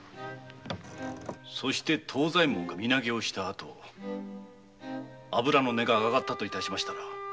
そして藤左衛門が身投げをした後油の値が上がったと致しましたら。